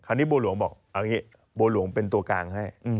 คราวนี้บัวหลวงบอกบัวหลวงเป็นตัวกลางให้